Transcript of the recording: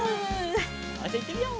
じゃあいってみよう！